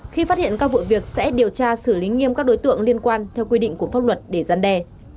khi phát hiện các vụ việc sẽ điều tra xử lý nghiêm các đối tượng liên quan theo quy định của pháp luật để gian đe